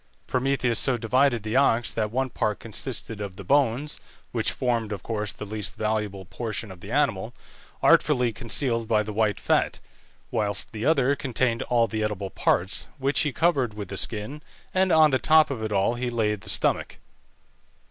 Prometheus so divided the ox that one part consisted of the bones (which formed of course the least valuable portion of the animal), artfully concealed by the white fat; whilst the other contained all the edible parts, which he covered with the skin, and on the top of all he laid the stomach.